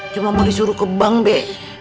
cuma mau disuruh ke bank b